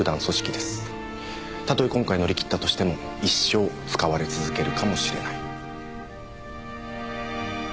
たとえ今回乗り切ったとしても一生使われ続けるかもしれない。